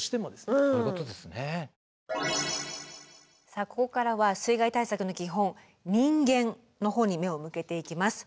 さあここからは水害対策の基本人間の方に目を向けていきます。